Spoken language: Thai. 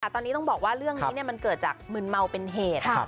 ตอนนี้ต้องบอกว่าเรื่องนี้มันเกิดจากมึนเมาเป็นเหตุ